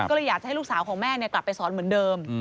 ก็เลยอยากจะให้ลูกสาวของแม่กลับไปสอนเหมือนเดิม